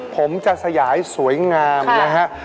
ผมจะสยายสวยงามนะฮะ